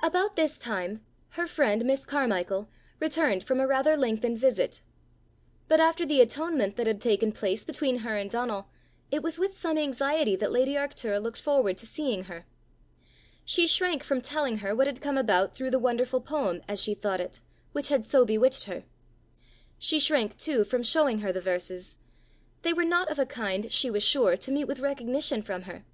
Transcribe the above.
About this time her friend, Miss Carmichael, returned from a rather lengthened visit. But after the atonement that had taken place between her and Donal, it was with some anxiety that lady Arctura looked forward to seeing her. She shrank from telling her what had come about through the wonderful poem, as she thought it, which had so bewitched her. She shrank too from showing her the verses: they were not of a kind, she was sure, to meet with recognition from her.